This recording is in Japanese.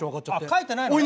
書いてないのね。